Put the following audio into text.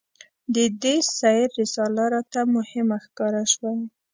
د دې سیر رساله راته مهمه ښکاره شوه.